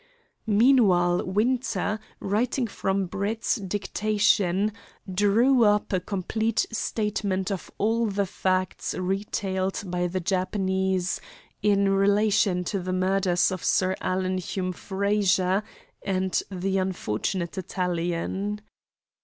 Meanwhile Winter, writing from Brett's dictation, drew up a complete statement of all the facts retailed by the Japanese in relation to the murders of Sir Alan Hume Frazer and the unfortunate Italian.